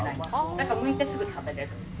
だからむいてすぐ食べれる。